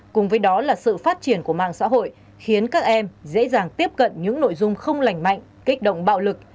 cùng với đó là sự phát triển của mạng xã hội khiến các em dễ dàng tiếp cận những nội dung không lành mạnh kích động bạo lực